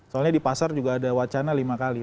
soalnya di pasar juga ada wacana lima kali